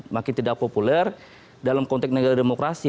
makin tidak populer dalam konteks negara demokrasi